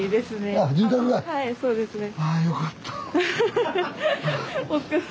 ああそうですね。